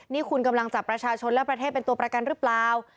นี่คุณกำลังจับประชาชนและประเทศเป็นตัวประกันหรือเปล่า